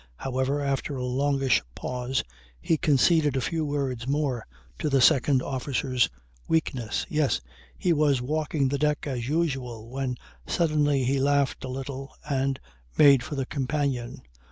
However, after a longish pause he conceded a few words more to the second officer's weakness. "Yes. He was walking the deck as usual when suddenly he laughed a little and made for the companion.